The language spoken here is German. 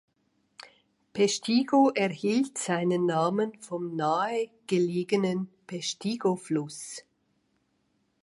Peshtigo erhielt seinen Namen vom nahe gelegenen Peshtigo-Fluss.